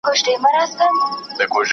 آسان چي کتي ته دریږي هغه خره وبوله